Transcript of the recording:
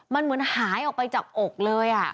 มันเหมือนหายออกไปจากอกเลย